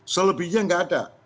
selebihnya gak ada